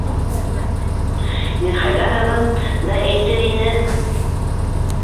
Мирхәйҙәровын да әйтер ине...